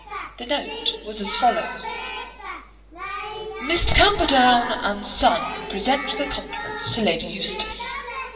The note was as follows: "Messrs. Camperdown and Son present their compliments to Lady Eustace.